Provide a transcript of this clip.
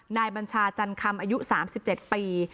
นายบัญชาจันทรรย์คำอายุ๓๗ปี